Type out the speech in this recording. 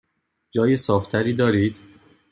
جای صاف تری دارید؟